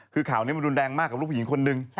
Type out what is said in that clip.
คือข่าวนี้มันรุนแรงมากกับลูกผู้หญิงคนนึง